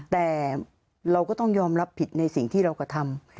แต่เราก็ต้องยอมรับผิดในสิ่งที่เรากระทำ